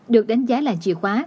được đánh giá là chìa khóa